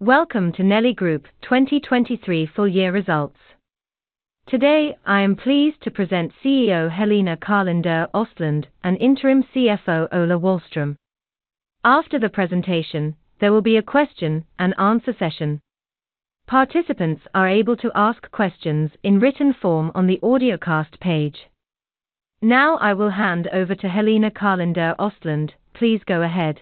Welcome to Nelly Group 2023 full year results. Today, I am pleased to present CEO Helena Karlinder-Östlundh and Interim CFO Ola Wahlström. After the presentation, there will be a question and answer session. Participants are able to ask questions in written form on the audiocast page. Now, I will hand over to Helena Karlinder-Östlundh. Please go ahead.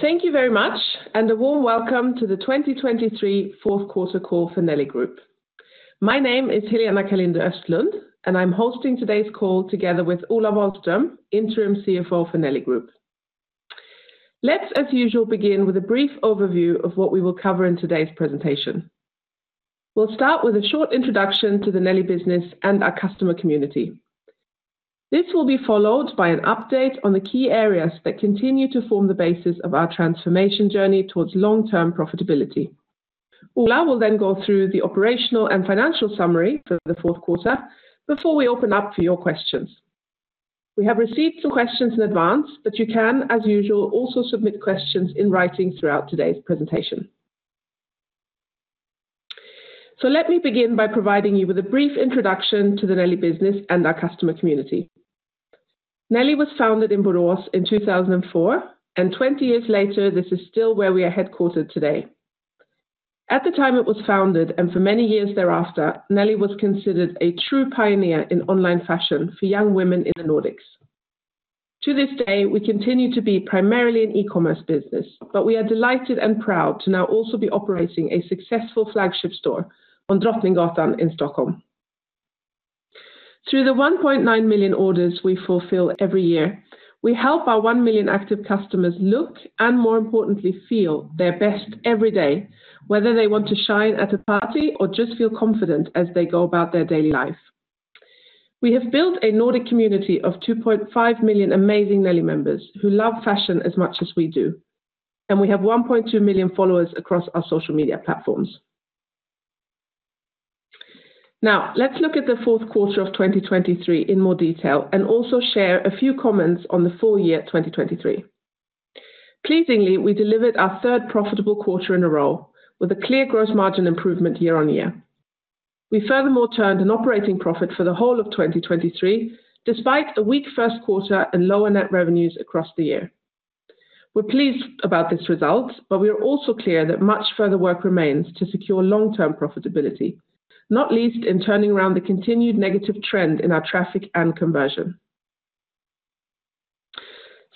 Thank you very much, and a warm welcome to the 2023 fourth quarter call for Nelly Group. My name is Helena Karlinder-Östlundh, and I'm hosting today's call together with Ola Wahlström, Interim CFO for Nelly Group. Let's, as usual, begin with a brief overview of what we will cover in today's presentation. We'll start with a short introduction to the Nelly business and our customer community. This will be followed by an update on the key areas that continue to form the basis of our transformation journey towards long-term profitability. Ola will then go through the operational and financial summary for the fourth quarter before we open up for your questions. We have received some questions in advance, but you can, as usual, also submit questions in writing throughout today's presentation. Let me begin by providing you with a brief introduction to the Nelly business and our customer community. Nelly was founded in Borås in 2004, and 20 years later, this is still where we are headquartered today. At the time it was founded, and for many years thereafter, Nelly was considered a true pioneer in online fashion for young women in the Nordics. To this day, we continue to be primarily an e-commerce business, but we are delighted and proud to now also be operating a successful flagship store on Drottninggatan in Stockholm. Through the 1.9 million orders we fulfill every year, we help our 1 million active customers look, and more importantly, feel their best every day, whether they want to shine at a party or just feel confident as they go about their daily life. We have built a Nordic community of 2.5 million amazing Nelly members who love fashion as much as we do, and we have 1.2 million followers across our social media platforms. Now, let's look at the fourth quarter of 2023 in more detail and also share a few comments on the full year 2023. Pleasingly, we delivered our third profitable quarter in a row with a clear gross margin improvement year-on-year. We furthermore turned an operating profit for the whole of 2023, despite a weak first quarter and lower net revenues across the year. We're pleased about this result, but we are also clear that much further work remains to secure long-term profitability, not least in turning around the continued negative trend in our traffic and conversion.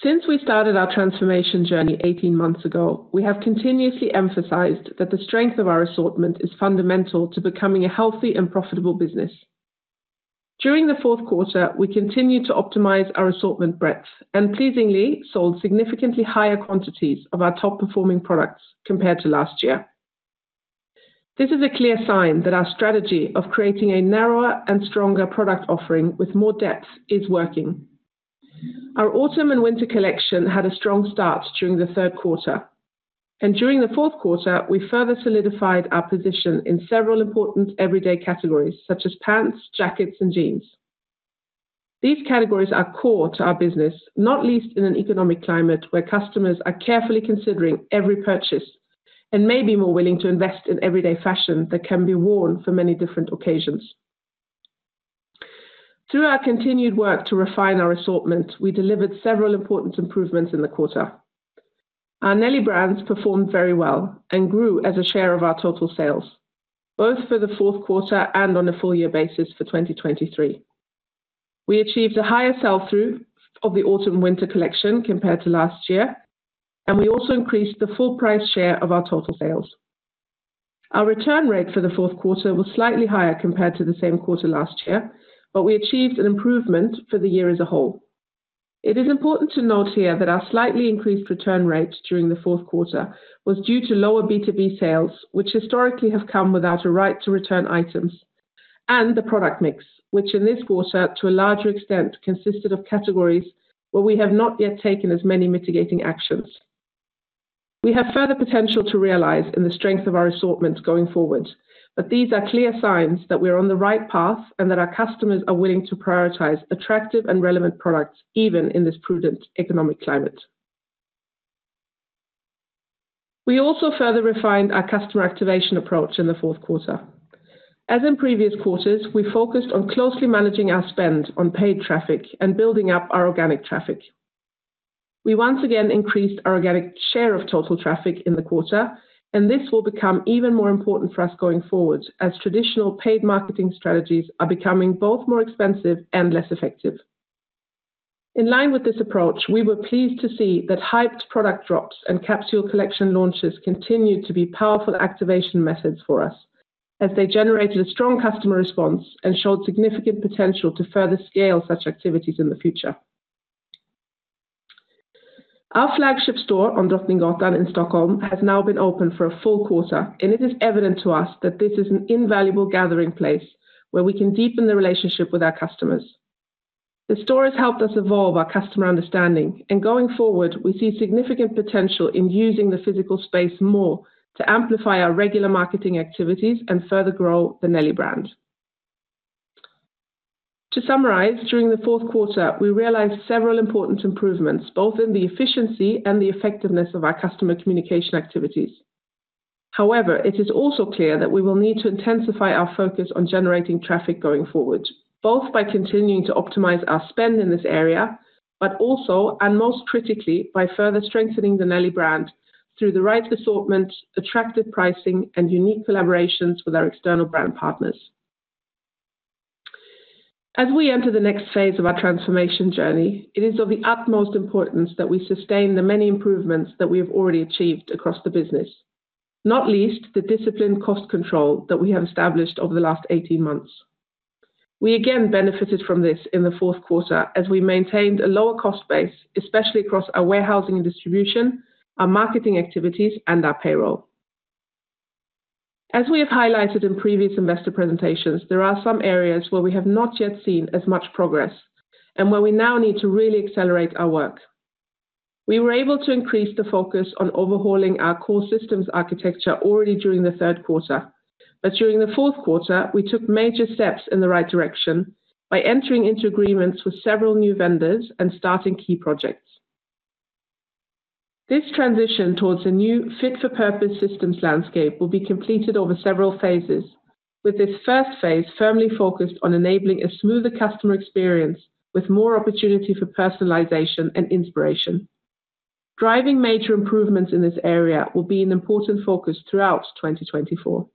Since we started our transformation journey 18 months ago, we have continuously emphasized that the strength of our assortment is fundamental to becoming a healthy and profitable business. During the fourth quarter, we continued to optimize our assortment breadth and pleasingly sold significantly higher quantities of our top-performing products compared to last year. This is a clear sign that our strategy of creating a narrower and stronger product offering with more depth is working. Our autumn and winter collection had a strong start during the third quarter, and during the fourth quarter, we further solidified our position in several important everyday categories, such as pants, jackets, and jeans. These categories are core to our business, not least in an economic climate where customers are carefully considering every purchase and may be more willing to invest in everyday fashion that can be worn for many different occasions. Through our continued work to refine our assortment, we delivered several important improvements in the quarter. Our Nelly brands performed very well and grew as a share of our total sales, both for the fourth quarter and on a full year basis for 2023. We achieved a higher sell-through of the autumn-winter collection compared to last year, and we also increased the full price share of our total sales. Our return rate for the fourth quarter was slightly higher compared to the same quarter last year, but we achieved an improvement for the year as a whole. It is important to note here that our slightly increased return rate during the fourth quarter was due to lower B2B sales, which historically have come without a right to return items, and the product mix, which in this quarter, to a larger extent, consisted of categories where we have not yet taken as many mitigating actions. We have further potential to realize in the strength of our assortment going forward, but these are clear signs that we are on the right path and that our customers are willing to prioritize attractive and relevant products, even in this prudent economic climate. We also further refined our customer activation approach in the fourth quarter. As in previous quarters, we focused on closely managing our spend on paid traffic and building up our organic traffic. We once again increased our organic share of total traffic in the quarter, and this will become even more important for us going forward as traditional paid marketing strategies are becoming both more expensive and less effective. In line with this approach, we were pleased to see that hyped product drops and capsule collection launches continued to be powerful activation methods for us as they generated a strong customer response and showed significant potential to further scale such activities in the future. Our flagship store on Drottninggatan in Stockholm has now been open for a full quarter, and it is evident to us that this is an invaluable gathering place where we can deepen the relationship with our customers. The store has helped us evolve our customer understanding, and going forward, we see significant potential in using the physical space more to amplify our regular marketing activities and further grow the Nelly brand. To summarize, during the fourth quarter, we realized several important improvements, both in the efficiency and the effectiveness of our customer communication activities. However, it is also clear that we will need to intensify our focus on generating traffic going forward, both by continuing to optimize our spend in this area, but also, and most critically, by further strengthening the Nelly brand through the right assortment, attractive pricing, and unique collaborations with our external brand partners. As we enter the next phase of our transformation journey, it is of the utmost importance that we sustain the many improvements that we have already achieved across the business, not least, the disciplined cost control that we have established over the last 18 months. We again benefited from this in the fourth quarter as we maintained a lower cost base, especially across our warehousing and distribution, our marketing activities, and our payroll. As we have highlighted in previous investor presentations, there are some areas where we have not yet seen as much progress, and where we now need to really accelerate our work. We were able to increase the focus on overhauling our core systems architecture already during the third quarter. During the fourth quarter, we took major steps in the right direction by entering into agreements with several new vendors and starting key projects. This transition towards a new fit-for-purpose systems landscape will be completed over several phases, with this first phase firmly focused on enabling a smoother customer experience with more opportunity for personalization and inspiration. Driving major improvements in this area will be an important focus throughout 2024.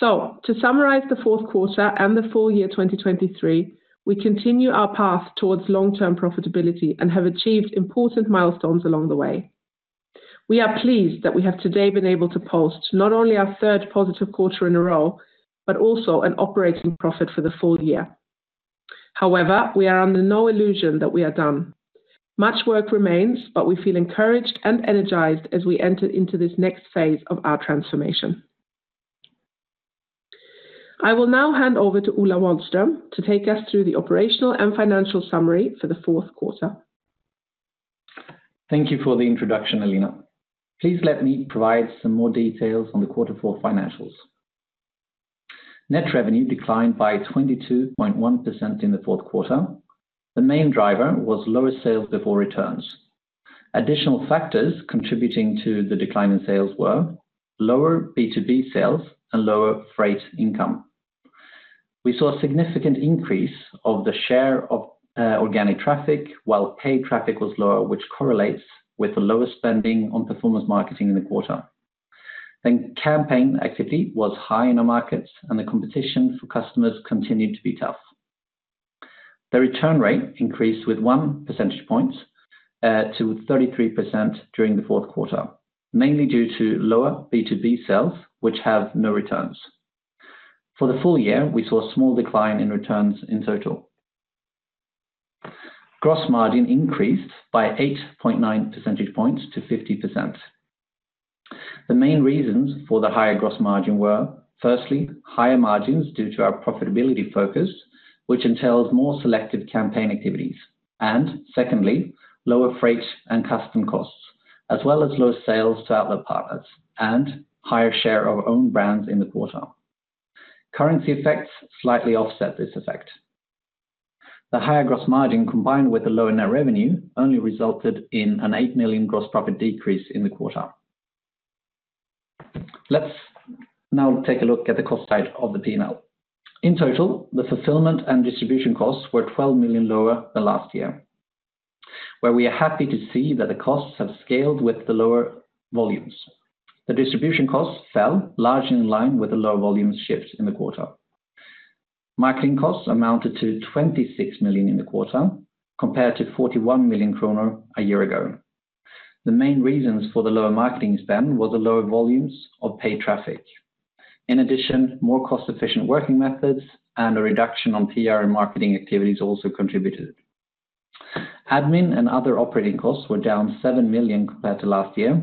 To summarize the fourth quarter and the full year 2023, we continue our path towards long-term profitability and have achieved important milestones along the way. We are pleased that we have today been able to post not only our third positive quarter in a row, but also an operating profit for the full year. However, we are under no illusion that we are done. Much work remains, but we feel encouraged and energized as we enter into this next phase of our transformation. I will now hand over to Ola Wahlström to take us through the operational and financial summary for the fourth quarter. Thank you for the introduction, Helena. Please let me provide some more details on the quarter four financials. Net revenue declined by 22.1% in the fourth quarter. The main driver was lower sales before returns. Additional factors contributing to the decline in sales were: lower B2B sales and lower freight income. We saw a significant increase of the share of organic traffic, while paid traffic was lower, which correlates with the lower spending on performance marketing in the quarter. Campaign activity was high in the markets, and the competition for customers continued to be tough. The return rate increased with one percentage point to 33% during the fourth quarter, mainly due to lower B2B sales, which have no returns. For the full year, we saw a small decline in returns in total. Gross margin increased by 8.9 percentage points to 50%. The main reasons for the higher gross margin were, firstly, higher margins due to our profitability focus, which entails more selective campaign activities, and secondly, lower freight and custom costs, as well as lower sales to outlet partners and higher share of own brands in the quarter. Currency effects slightly offset this effect. The higher gross margin, combined with the lower net revenue, only resulted in a 8 million gross profit decrease in the quarter. Let's now take a look at the cost side of the P&L. In total, the fulfillment and distribution costs were 12 million lower than last year, where we are happy to see that the costs have scaled with the lower volumes. The distribution costs fell largely in line with the lower volume shifts in the quarter. Marketing costs amounted to 26 million in the quarter, compared to 41 million kronor a year ago. The main reasons for the lower marketing spend were the lower volumes of paid traffic. In addition, more cost-efficient working methods and a reduction on PR and marketing activities also contributed. Admin and other operating costs were down 7 million compared to last year.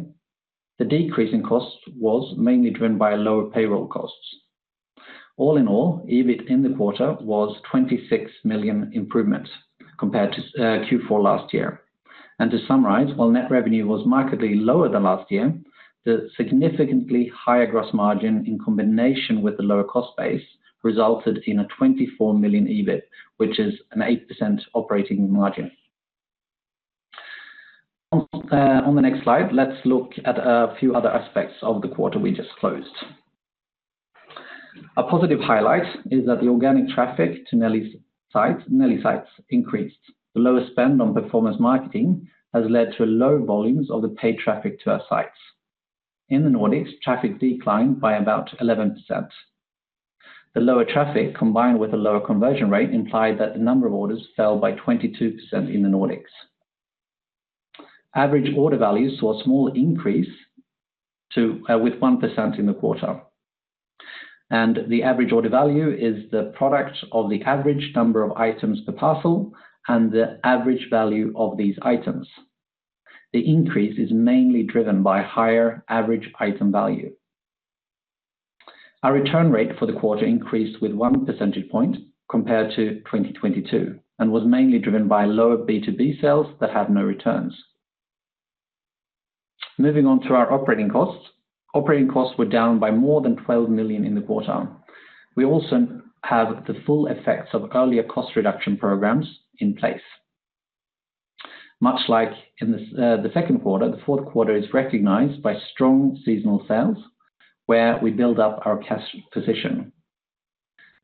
The decrease in costs was mainly driven by lower payroll costs. All in all, EBIT in the quarter was 26 million improvements compared to Q4 last year. And to summarize, while net revenue was markedly lower than last year, the significantly higher gross margin, in combination with the lower cost base, resulted in a 24 million EBIT, which is an 8% operating margin. On, on the next slide, let's look at a few other aspects of the quarter we just closed. A positive highlight is that the organic traffic to Nelly's site, Nelly sites increased. The lower spend on performance marketing has led to lower volumes of the paid traffic to our sites. In the Nordics, traffic declined by about 11%. The lower traffic, combined with a lower conversion rate, implied that the number of orders fell by 22% in the Nordics. Average order values saw a small increase to with 1% in the quarter. And the average order value is the product of the average number of items per parcel and the average value of these items. The increase is mainly driven by higher average item value. Our return rate for the quarter increased with one percentage point compared to 2022, and was mainly driven by lower B2B sales that had no returns. Moving on to our operating costs. Operating costs were down by more than 12 million in the quarter. We also have the full effects of earlier cost reduction programs in place. Much like in the second quarter, the fourth quarter is recognized by strong seasonal sales, where we build up our cash position.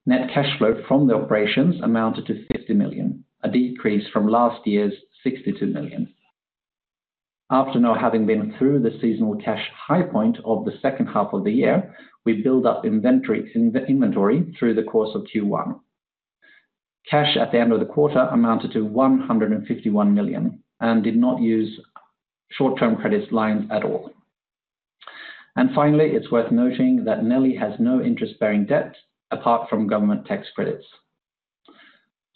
Net cash flow from the operations amounted to 50 million, a decrease from last year's 62 million. After now having been through the seasonal cash high point of the second half of the year, we build up inventory in the inventory through the course of Q1. Cash at the end of the quarter amounted to 151 million, and did not use short-term credit lines at all. Finally, it's worth noting that Nelly has no interest-bearing debt, apart from government tax credits.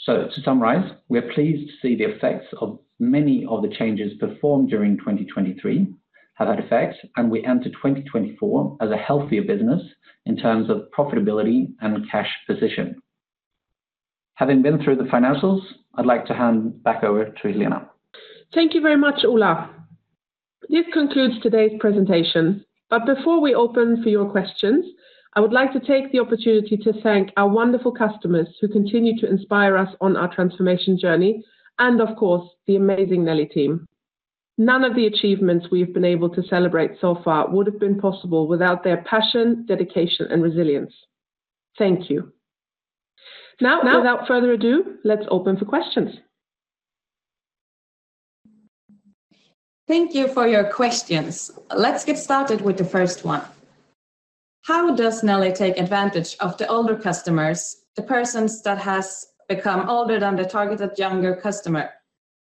To summarize, we are pleased to see the effects of many of the changes performed during 2023 have had effect, and we enter 2024 as a healthier business in terms of profitability and cash position. Having been through the financials, I'd like to hand back over to Helena. Thank you very much, Ola. This concludes today's presentation, but before we open for your questions, I would like to take the opportunity to thank our wonderful customers who continue to inspire us on our transformation journey and, of course, the amazing Nelly team. None of the achievements we've been able to celebrate so far would have been possible without their passion, dedication, and resilience. Thank you. Now, without further ado, let's open for questions. Thank you for your questions. Let's get started with the first one. How does Nelly take advantage of the older customers, the persons that has become older than the targeted younger customer?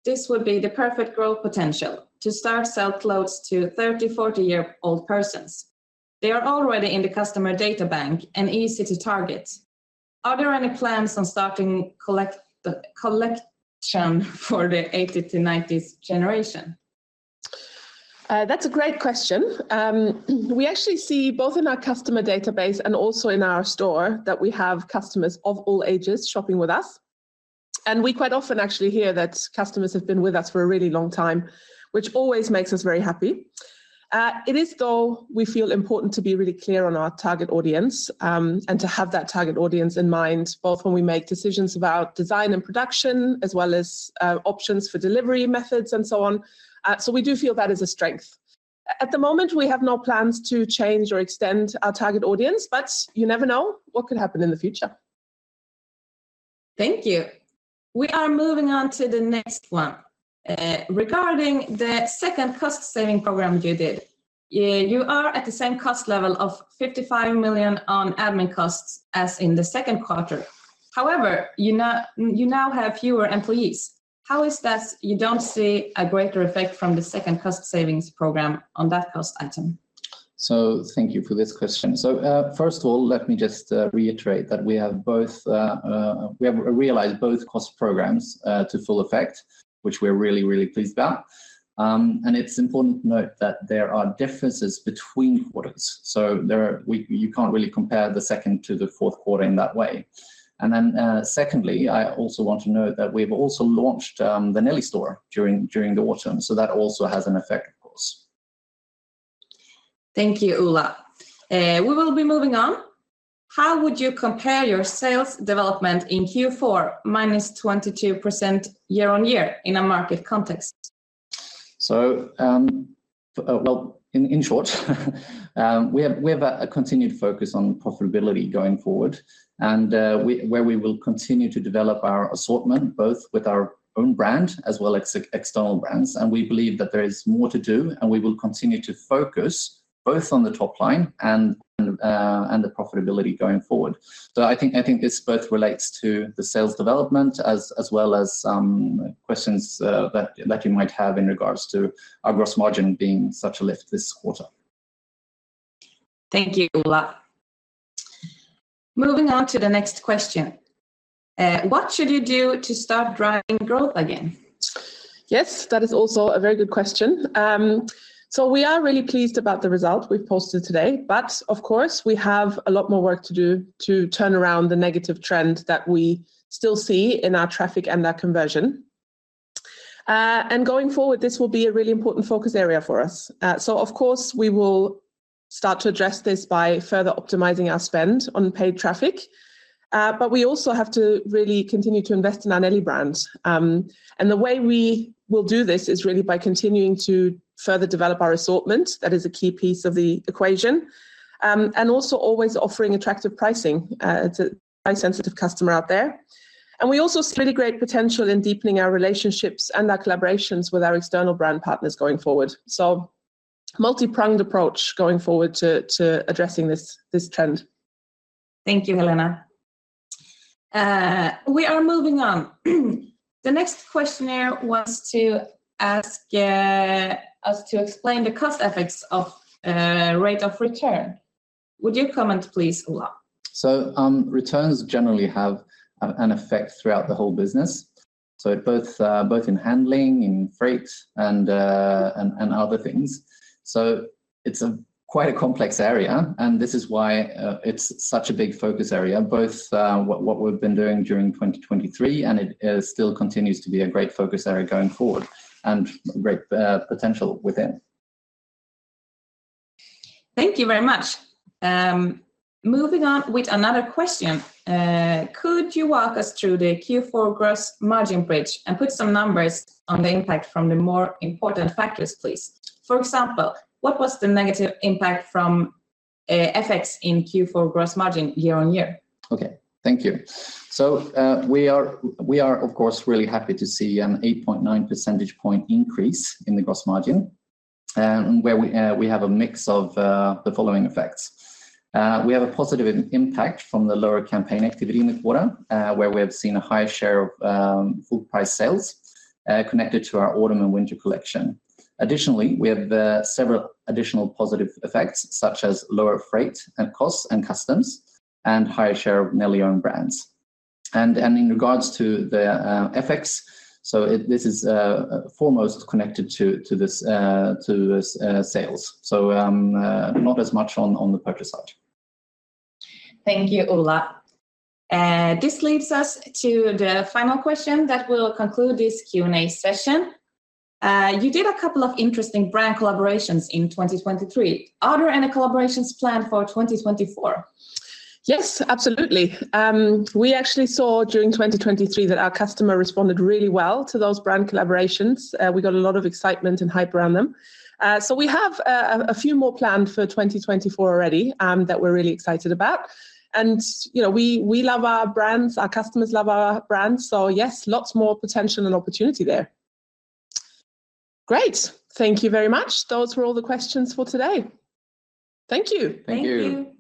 This would be the perfect growth potential, to start sell clothes to 30-, 40-year-old persons. They are already in the customer data bank and easy to target. Are there any plans on starting collection for the 80s to 90s generation? That's a great question. We actually see, both in our customer database and also in our store, that we have customers of all ages shopping with us, and we quite often actually hear that customers have been with us for a really long time, which always makes us very happy. It is, though, we feel important to be really clear on our target audience, and to have that target audience in mind, both when we make decisions about design and production, as well as, options for delivery methods and so on. So we do feel that is a strength. At the moment, we have no plans to change or extend our target audience, but you never know what could happen in the future. Thank you. We are moving on to the next one. Regarding the second cost-saving program you did, yeah, you are at the same cost level of 55 million on admin costs as in the second quarter. However, you now, you now have fewer employees. How is that you don't see a greater effect from the second cost savings program on that cost item? Thank you for this question. First of all, let me just reiterate that we have realized both cost programs to full effect, which we're really, really pleased about. It's important to note that there are differences between quarters, so you can't really compare the second to the fourth quarter in that way. Then, secondly, I also want to note that we've also launched the Nelly store during the autumn, so that also has an effect, of course. Thank you, Ola. We will be moving on. How would you compare your sales development in Q4, -22% year-on-year in a market context? So, well, in short, we have a continued focus on profitability going forward and, where we will continue to develop our assortment, both with our own brand as well as external brands, and we believe that there is more to do, and we will continue to focus both on the top line and the profitability going forward. So I think this both relates to the sales development as well as questions that you might have in regards to our gross margin being such a lift this quarter. Thank you, Ola. Moving on to the next question: What should you do to start driving growth again? Yes, that is also a very good question. So we are really pleased about the result we've posted today, but of course, we have a lot more work to do to turn around the negative trend that we still see in our traffic and our conversion. And going forward, this will be a really important focus area for us. So of course, we will start to address this by further optimizing our spend on paid traffic, but we also have to really continue to invest in our Nelly brand. And the way we will do this is really by continuing to further develop our assortment. That is a key piece of the equation. And also always offering attractive pricing to price-sensitive customer out there. We also see really great potential in deepening our relationships and our collaborations with our external brand partners going forward. Multi-pronged approach going forward to addressing this trend. Thank you, Helena. We are moving on. The next questioner wants to ask us to explain the cost effects of rate of return. Would you comment, please, Ola? So, returns generally have an effect throughout the whole business, so both in handling, in freight, and other things. So it's quite a complex area, and this is why it's such a big focus area, both what we've been doing during 2023, and it still continues to be a great focus area going forward, and great potential within. Thank you very much. Moving on with another question, could you walk us through the Q4 gross margin bridge and put some numbers on the impact from the more important factors, please? For example, what was the negative impact from FX in Q4 gross margin year-on-year? Okay, thank you. So, we are, of course, really happy to see an 8.9 percentage point increase in the gross margin, where we have a mix of the following effects. We have a positive impact from the lower campaign activity in the quarter, where we have seen a higher share of full price sales connected to our autumn and winter collection. Additionally, we have several additional positive effects, such as lower freight and costs and customs, and higher share of Nelly own brands. And in regards to the FX, so this is foremost connected to this, to sales, so not as much on the purchase side. Thank you, Ola. This leads us to the final question that will conclude this Q&A session. You did a couple of interesting brand collaborations in 2023. Are there any collaborations planned for 2024? Yes, absolutely. We actually saw during 2023 that our customer responded really well to those brand collaborations. We got a lot of excitement and hype around them. So we have a few more planned for 2024 already, that we're really excited about. And, you know, we love our brands, our customers love our brands, so yes, lots more potential and opportunity there. Great, thank you very much. Those were all the questions for today. Thank you. Thank you. Thank you!